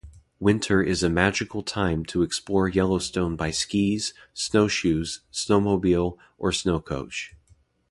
Winter is a magical time to explore Yellowstone by skis, snowshoes, snowmobile, or snowcoach.